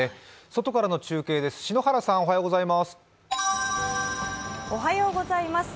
外からの中継です篠原さん、おはようございます。